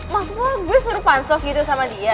maksud lo gue suruh pansos gitu sama dia